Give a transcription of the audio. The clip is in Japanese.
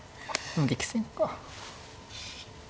激戦か。